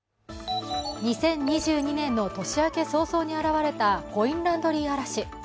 ２０２２年の年明け早々に現れたコインランドリー荒らし。